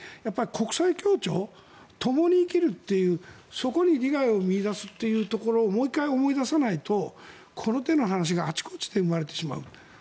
国際協調、ともに生きるっていうそこに利害を見いだすというところをもう１回、思い出さないとこの手の話があちこちで生まれてしまう。